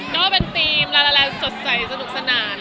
ก็เป็นธีมลายสดใสสนุกสนาน